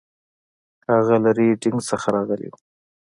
هغه له ریډینګ څخه راغلی و.